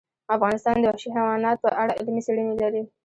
افغانستان د وحشي حیوانات په اړه علمي څېړنې لري.